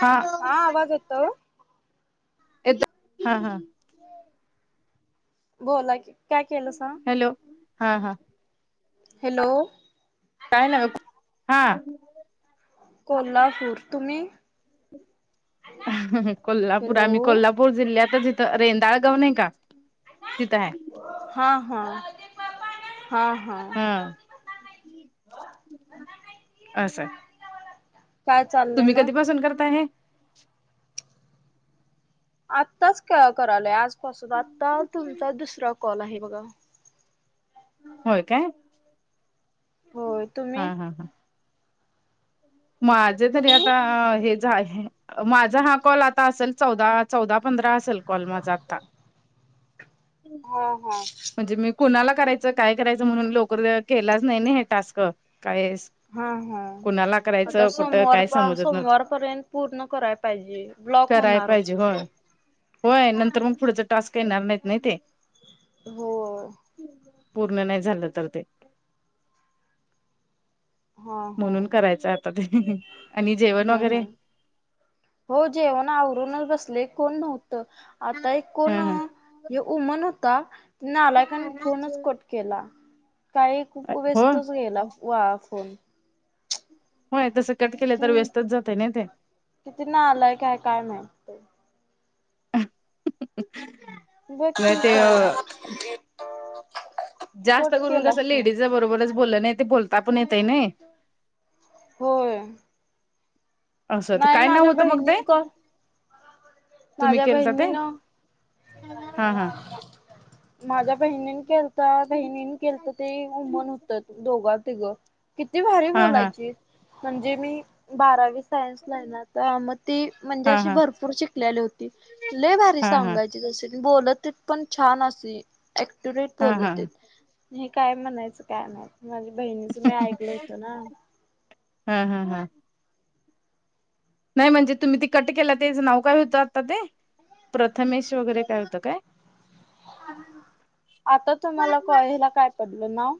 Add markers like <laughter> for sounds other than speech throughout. हा हा आवाज यतो. येत हा हा. बोला काय केलं स हॅलो हा हा हॅलो. काही ना हा. कोल्हापूर तुम्ही? कोल्हापूर हॅलो आमही कोल्हापूर नापूर जिल्ह्यातच तिथं रेंदाळ गाव नाही का तिथं आहे. हा हा हा हा. हा असं. काय चाललंय तुम्ही मग कधी पसून करता आहे. आत्ताच करालय आजपासून आता तुमचा दुसरा कॉल आहे बघा. होय काय होय हा तुम्ही हा हा. माझे तरी तुम्ही आता हे. माझा हा कॉल आता असेल चौदा चौदा पंधरा असेल कॉल माझा आता- हो हो. म्हणजे मी कुणाला करायचं काय करायचं म्हणून लवकर केलाच नाही ना हे टास्क काय? हा हा कुणाला आता करायचं कुठं सोमवार काय पा समजत नव्हतं सोमवारपर्यंत पूर्ण कराय. पाहिजे ब्लॉक कराय होणार हो. पाहिजे होय होय नंतर मग पुढेच टास्क येणार नाहीत नाही ते हो. पूर्ण नाही झालं तर ते हा हा म्हणून करायचं आता ते आणि जेवण हम्म वगैरे हम्म हो जेवण आवरूनच बसले कोण नव्हतं आता एक कोण? हा हा उ म्हन होता. नाही आलाय काण फोनच कट केला काही खूप हो वेस्तच गेला. वा फोून होय तस कट केलं किती तर वेस्टच जाते ना ते किती ना आलाय काय काय नाही. ह. बघठी. जास्त कट करून केला कसं फोन लेडीज बरोबरच बोललं नाही ते बोलता पण येतय नाही. होळ. असं तर काय नाव होतं मग ते बहिणीन कॉल तुम्ही माझ्या केलता ते बहिणीन हा हा माझ्या बहिणीन केता बहिणीनी केल. ते उमन होतं दोघा तिघं किती भारी हा हा बोलायची. म्हणजे मी बारावी सायन्स ला ना तर मग ती म्हणजे हा अशी हा भरपूर शिक. होती लले भारी हा हा सांगायची त बोलत त पण छान असे. ऍक्टुरेट हा हा बोलत हे काय म्हणायचं काय नाही. माझ्या बहिणीच मी ऐकलं होत ना हम हम हम नाही म्हणजे तुम्ही ते कट केला तेचं नाव काय होतं आता ते प्रथमेश वगैरे काय होतं काय आता तुम्हाला कळयला काय पडलं नाव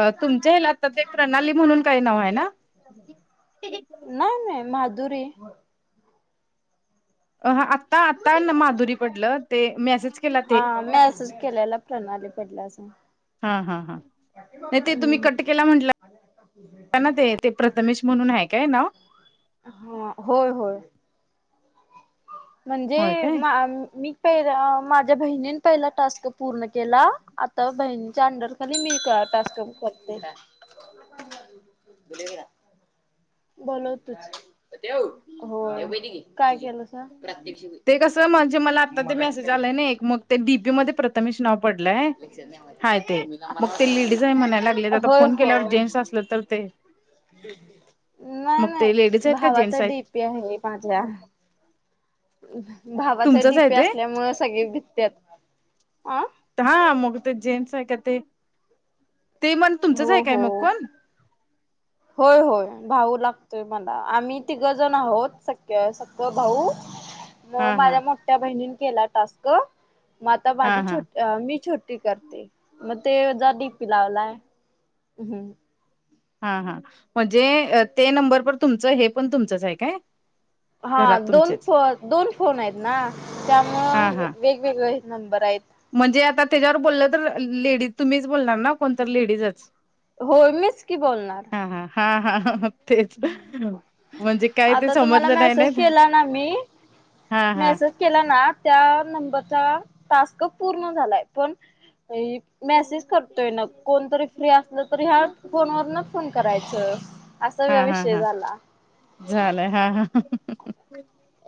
अ तुमच्या हेला आता ते प्रणाली म्हणून काही नाव आहे ना नाय नाय माधुरी अ हा आत्ता आता न-माधुरी पडलं ते मॅसेज आ हा मेसूज केलेला प्रणाली पडल्या असं हां हाहा नाय ते तुम्ही कट केला म्हटलं.... त्यांना ते- ते प्रथमेश म्हणून हाय काय नाव अं होय होय म्हणजे होय काय? म आम-मी ते जरा माझ्या बहिणीनं पहिला टास्क पूर्ण केला आता बहिणीच्या अंडर तरी मी का टास्क करते बोलव तूच.. ए देव. होय.. ए वही दे की.. काय केलंसा.. प्रात्यक्षिक ते कसं म्हणजे मला आता ते मेसेज आलाय नि एक मग ते डीपी मध्ये पडतं तमिश नाव पडलंय... हाय ते. मग ते लेडीज हाय म्हणाय लागल्यात. आता होय फोन केल्यावर होय जेंट्स असल तर ते.. मग ते लेडीज हाइत का जेंट्स हायत ते आहे पाच वेळा भावाचा तुमचंच आहे डीपी ते असल्यामुळं सगळे भित्यात आं हां मग ते जेंट्स हाय का ते... ते मन तुमचंच हो हाय काय हो मग.. कोण होय होय भाऊू लागतोय मला. आम्ही तिघजण आहोत सख ते सख भाऊ.. मग हा हा माझ्या मोठ्या बहिणीनं केला टास्क म आता हा माझी हा छोट आ मी छोटी करते.. मग ते जा डीपी लावलाय.. हम्म हा हा म्हणजे अ ते नंबर पण तुमचं हे पण तुमचंच हाय काय हा घरात दोन तुमचेच फो दोन फोन आहेत ना हा तत्यामुळं हा वेग वेगळ हयात नंबर आहेत म्हणजे आता तेज्यावर बोललं तर अ -लेडीज तुम्हीच बोलणार ना कोणतर लेडीजच होय.. मीच की बोलणार हां हा हा हा हं हं तेच हं म्हणजे काय ते आता तुम्हाला समजलं नाय मेसेज नाय त ह.... हा हा मॅसेज केलाना त्या नंबरचा टास्क पूर्ण झालाय पण.. ऐक मॅसेज करतोय ना कोणतरी फ्री असलं तर ह्या फोनवरणच फोन करायचं हा असा हां विषय हा झाला झालाय हा हा हं हं हं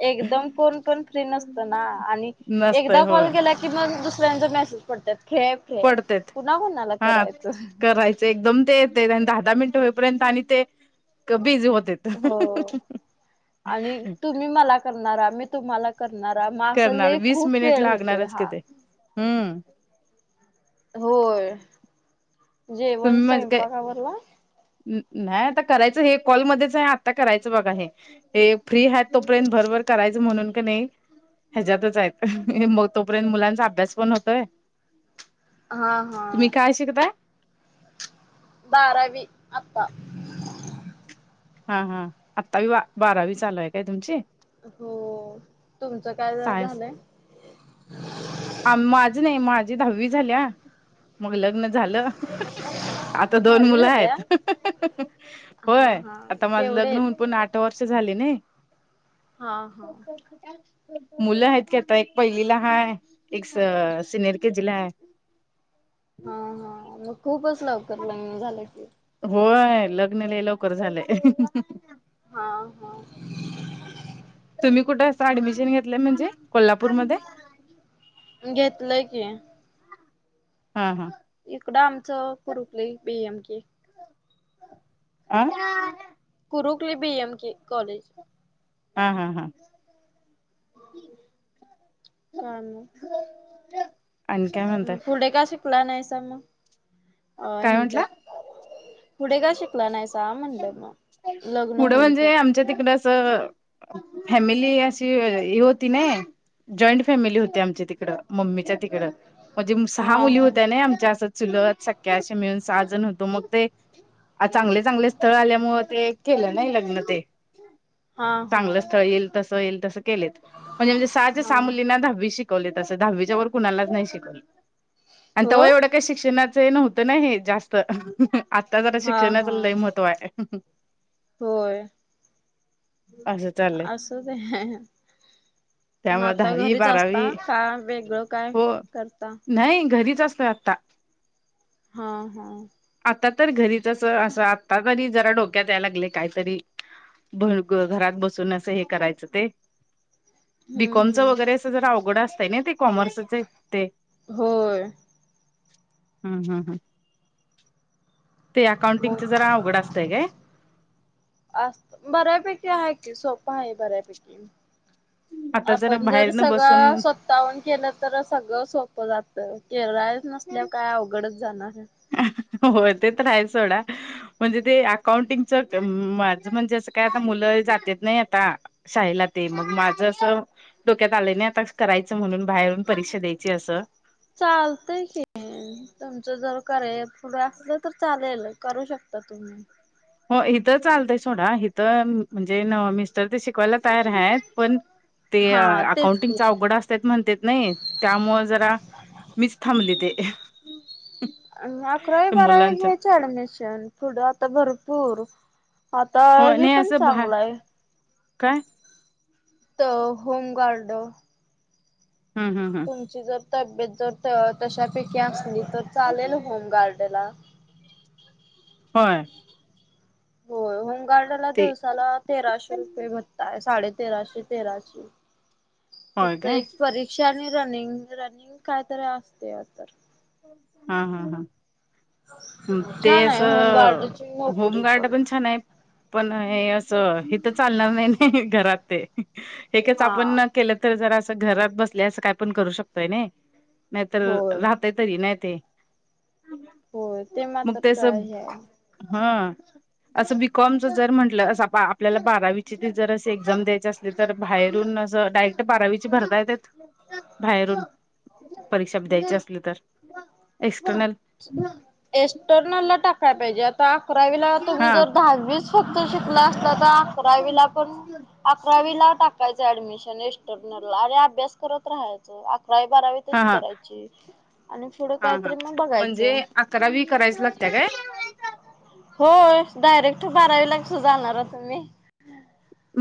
एकदम कोण पण फ्री नसतं ना आणि नसतय एकदा कॉल होय केला की मग दुसऱ्यांचच मॅसेज पाडत्यात फ्री हाय फ्री हाय पडतेत कुणा कोणाला करायचं ते एकदम ते- ते तेन दहा -दहा मिनिटं होईपर्यंत आणि ते... क बिझी होत्यात हो... आणिक तुम्ही मला करणारा मी तुम्हाला करणारा मग अस करणार लय खूप वेळ होतोय हा हम्म्म होय जेवण स्वयंपाक आवरलाय नाय आता करायचं हे कॉलमध्येच हाय आता करायचं बघा हे हे फ्री हाय तोपर्यंत भरभर करायचं म्हणून कणी ह्याच्यातच हाय अ हं मग तोपर्यंत मुलांचा अभ्यास पण होतोय हां हां तुम्ही काय शिकताय बारावी आता हा हां आत्ता-वी बारावी चालू हाय काय तुमची हो तुमचं काय झा-झालंय आ माझी नाई माझी धावी झाल्या मग लग्न झालं अ हं आता दोन दहावी मुलं झालीया हायत हं हं हं हं हं हा होय हा आता माझं केवढे लग्न आहेत हून पण आ वर्ष झाले नी हा हा मुलं हायत की आता एक पयलीला हाय एक स- सिनिअर के जी ला हाय हा हा मग खूपच लवकर लग्न झालं की होय लग्न ल लवकर झालंय हा हा तुम्ही कुठे असता ऍडमिशन घेतलंय म्हणजे कोल्हापूरमध्ये घेतलंय की हा हा इकडं आमचं कुरुकले बीएम के अं गुरुकली बी एम के कॉलेज हा हा हां काम होर पुढे का शिकला नाहीस मग काय हिच्यात म्हंटला? पुढे का शिक चकला नाहीचा म्हणड मग लग्न पुढं होऊन म्हणजे पण आमच्या तिकड फॅमिली अशी ह होती ना जॉईंट फॅमिली होते आमच्या तिकडं मम्मीच्या तिकडं म्हणजे सहा हा मुली हा होत्या ना आमच्या असं चुलत सख्या असे मिळून सहा जण होतो मग ते आ चांगले चांगले स्थळ आल्यामुळ ते केलं नाही लग्न ते हा हा चांगलं स्थळ येईल तसं येईल तसं केलेत म्हणजे म्हणजे सहाच्या हा सा मुलींना दहावी शिक शव तस दहावीच्या व कुणालाच नाही शिकवले आणि तव्हा होय एवढ शिक्षणाच नव्हत नाही जास्त हा हा तो आहे होय असं चाललंय असं ते म त्यामुळे आता दहावी घरीच असता बारावी काय वेगळं काय हो करता नाही घरीच असत आता हा हा आता तर घरीच अस असं आता तरी जरा डोक्यात यायला लागले काहीतरी भ घरात बसून असं हे करायचं ते हम्म बीकॉमचं वगैरे हम्म अस जरा अवघड असतय ना ते कॉमर्सचे ते होय हम हम हम ते अकाउंटिंगचे मग जरा अवघड असतय काय अस बऱ्यापैकी आहे की सोपा आहे बऱ्यापैकी आता जरा आपण जर बाहेर न बसून सगळ स्व उतावण केलं तर सगळं सोपं जात केरळ नसल्यावर काय अवघडच जाणार हो ते राय सोडा म्हणजे ते अकाउंटिंगच माझ म्हणजे असं काय आता मुलं जातेत नाही आता शहिला ते मग माझ अस डोक्यात आले नाही आता करायचं म्हणून बाहेरून परीक्षा द्यायची असं चालतय की तुमचं जर क पुढं असलं तर चालेल करू शकता तुम्ही हो इिथं चालतंय सोडा हिथं म्हणजे मिस्टर ते शिकवायला तयार आहेत पण ह ते अकाउंटिंगचा अवघड अस म्हणतेत नाही त्यामु जरा मीच थांबली ते आणि अकरावी बारावी मुलांच्या घ्यायच ऍडमिशन पुढं आता भरपूर आता हो हे नाही पण असं भा चांगलं आहे. काय त होम गार्ड. हम्म हम्म हम्म तुमची जर तब्येत जर तशापैकी असली तर चालेल होमगार्ड ला होय गारडला ते दिवसाला तेराशे रुपये भत्ताय साडे तेराशे तेराशे. होय फक्त काय एक परीक्षा आणि रनिंग रनिंग कायतरी असते तर हा हा हा ते छान आहे होमगार्डची असं नोकरी होमगार्ड पण छान आहे. पण हे असं इथं चालणार नाही नाही घरात ते हेच हा आपण के ज अस घरात बस अस का पण करू शकतय नाही होय का तरी नाही ते होय मग ते मात्रच स हे आहे हम असं बी कॉमचं जर म्हटलं अस आपल्याला बारावीची जर असं एक्झाम द्यायच अस तर बाहेरून अस डायरेक्ट बारावी भरता येत बाहेरून परीक्षा द्यायची असली तर एक्सटर्नल एस्टर्नल ला टाकाय पाहिजे आता अकरावीला तुम्ही हा जर दहावीस फक्त शिकला असत तर अकरावीला पण अकरावीला टा यच ऍडमिशन एर अरे अभ्यास करत राहायचं. अकरावी बारावी हा तशी हा करायची आणि पुढं कायतरी मग बघायच अकरावीी करायच लागत काय? होय डायरेक्ट बारावी लागत जाणार आ तुम्ही?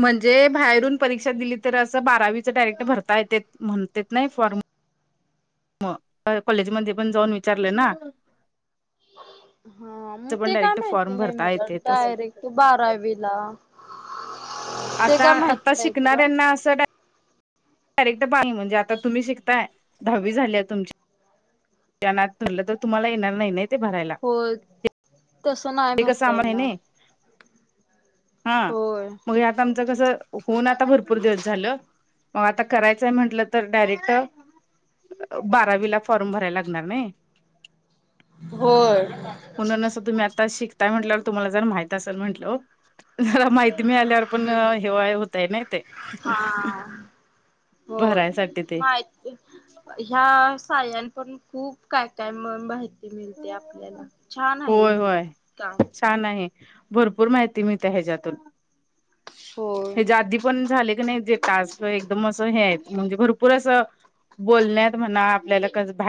म्हणजे बाहेरून परीक्षा दिली तर असं बारावीच डायरेक्ट भरता येत म्हणत नाही फॉर्म मग कॉलेजमध्येध्ये पण जाऊन विचारले ना. <unintelligible> हा मग तर पण ते काय डायरेक्ट माहिती फॉर्म नाही भरता मला येतेच डायरेक्ट तू बारावी ला ते आता काय आता माहिती नाही. रक्ट म्हणजे आता तुम्ही शिकताय दहावी झाली आहे, तुमची ज नात म्हलं तर तुम्हाला येणार नाही नाही ते भरायला? हो तसं नाही ते कसं भरता आम्हाला येणार. नाही हा होय. मग आता आमचं कसं होऊन आता भरपूर दिवस झालं मग आता करायचंय म्हंटलं तर डायरेक्ट बारावी ला फॉर्म भरायला लागणार नाही. होय म्हणून असं तुम्ही आता शिकताय म्हटलंवर तुम्हाला जर माहित असेल म्हटल ज माहि कमीी आल्यावर पण हेवाय होतय नाही ते हो भरायसाठी ते मा ह्या साळन पण खूप काय काय माहिती मिळते आपल्याला छान होय आहे होय काम. छान आहे भरपूर माहिती मी त्या ह्याच्यातून होय. हे आदी पण झाले की नाही जे तास एकदम असं हे म्हणजे भरपूर असं बोलण्यात म्हणा आपल्याला बा